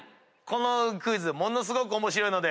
このクイズすごく面白いので。